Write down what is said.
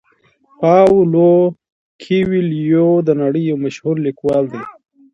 پاولو کویلیو د نړۍ یو مشهور لیکوال دی.